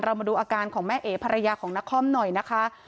เรามาดูอาการของแม่เอกภรรยาของนักคล่อมหน่อยนะคะ